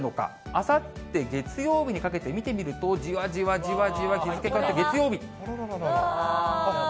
あさって月曜日にかけて、見てみると、じわじわじわじわ、日付変わって月曜日。